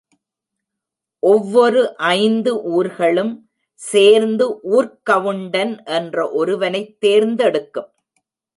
ஒவ்வொரு ஐந்து ஊர்களும் சேர்ந்து ஊர்க் கவுண்டன் என்ற ஒருவனைத் தேர்ந்தெடுக்கும்.